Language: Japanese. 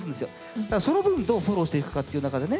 ただその分どうフォローしていくかっていう中でね